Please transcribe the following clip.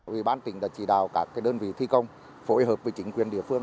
ủy ban tỉnh đã chỉ đào các đơn vị thi công phối hợp với chính quyền địa phương